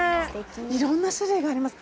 いろんな種類があります